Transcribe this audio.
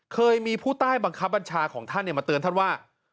เคยมีผู้ใต้บังคับบัญชาของท่านมาเตือนท่านว่า